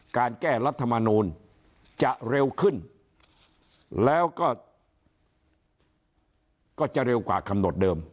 การแก้รัฐมนูลจะเร็วขึ้นแล้วก็จะเร็วกว่ากำหนดเดิม